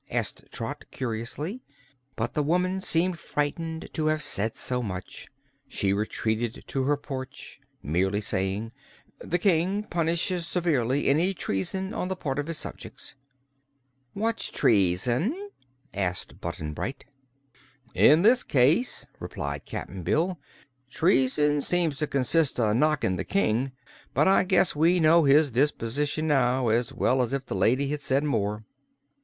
asked Trot, curiously. But the woman seemed frightened to have said so much. She retreated to her porch, merely saying: "The King punishes severely any treason on the part of his subjects." "What's treason?" asked Button Bright. "In this case," replied Cap'n Bill, "treason seems to consist of knockin' the King; but I guess we know his disposition now as well as if the lady had said more."